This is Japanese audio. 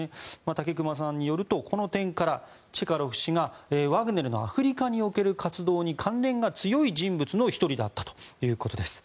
武隈さんによるとこの点からチェカロフ氏がワグネルのアフリカにおける活動に関連が強い人物の１人だったということです。